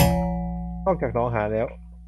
นอกจากหนองหารแล้ว